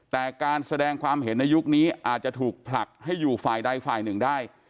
แต่การแสดงความเห็นในยุคนี้อาจจะถูกผลักให้อยู่ฝ่ายใดฝ่ายหนึ่งได้